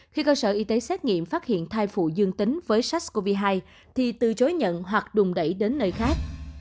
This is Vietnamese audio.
khi cơ sở y tế xét nghiệm phát hiện thai phụ dương tính với sars cov hai thì từ chối nhận hoặc đùn đẩy đến nơi khác